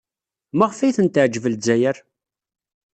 Maɣef ay tent-teɛjeb Lezzayer?